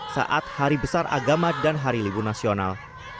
saat hari besar agama dan hari libur nasional